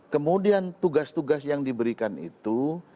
kemudian tugas tugas yang diberikan itu